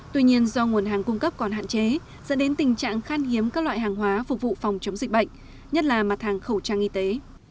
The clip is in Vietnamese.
tuy nhiên do nguồn hàng cung cấp còn hạn chế dẫn đến tình trạng khan hiếm các loại hàng hóa phục vụ phòng chống dịch bệnh nhất là mặt hàng khẩu trang y tế